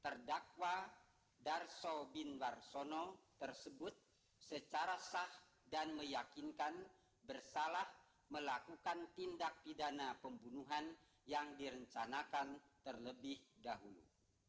terdakwa darso bin warsono tersebut secara sah dan meyakinkan bersalah melakukan tindak pidana pembunuhan yang direncanakan terlebih dahulu